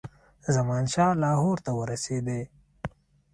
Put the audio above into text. زمانشاه لاهور ته ورسېدی.